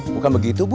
bukan begitu bu